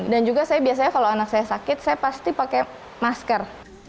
juga saya biasanya kalau anak saya sakit saya pasti pakai masker